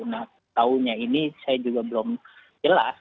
nah tahunya ini saya juga belum jelas